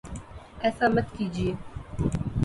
ایسا مت کیجیے